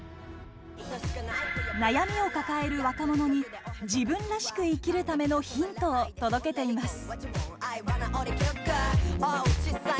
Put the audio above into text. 悩みを抱える若者に自分らしく生きるためのヒントを届けています。